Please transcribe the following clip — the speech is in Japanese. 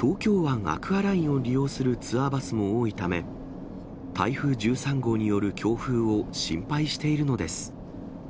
東京湾アクアラインを利用するツアーバスも多いため、台風１３号による強風を心配しているのです。